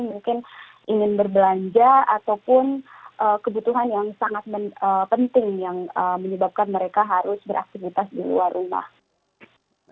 mungkin ingin berbelanja ataupun kebutuhan yang sangat penting yang menyebabkan mereka harus beraktivitas di luar rumah